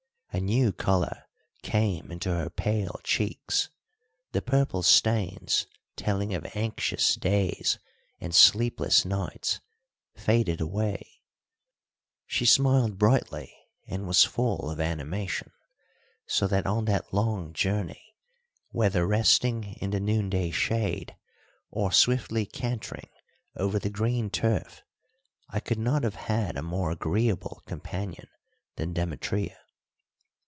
A new colour came into her pale cheeks; the purple stains telling of anxious days and sleepless nights faded away; she smiled brightly and was full of animation, so that on that long journey, whether resting in the noonday shade or swiftly cantering over the green turf, I could not have had a more agreeable companion than Demetria.